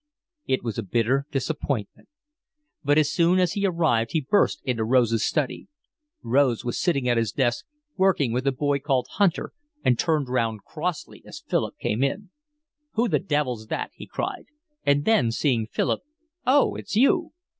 It was a bitter disappointment. But as soon as he arrived he burst into Rose's study. Rose was sitting at his desk, working with a boy called Hunter, and turned round crossly as Philip came in. "Who the devil's that?" he cried. And then, seeing Philip: "Oh, it's you."